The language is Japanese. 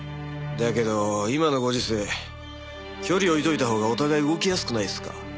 だけど今のご時世距離置いといたほうがお互い動きやすくないっすか？